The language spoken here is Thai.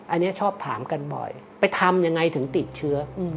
อันนี้ชอบถามกันบ่อยไปทำยังไงถึงติดเชื้อ